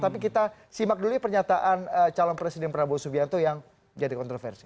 tapi kita simak dulu pernyataan calon presiden prabowo subianto yang jadi kontroversi